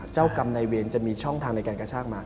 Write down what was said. เจ้ากรรมในเวรจะมีช่องทางในการกระชากมา